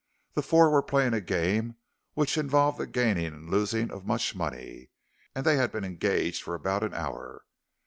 The four were playing a game which involved the gaining and losing of much money, and they had been engaged for about an hour.